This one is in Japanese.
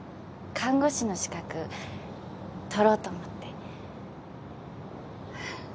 看護師の資格取ろうと思って。